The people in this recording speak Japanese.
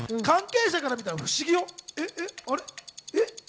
関係者から見たら不思議よ、えっ？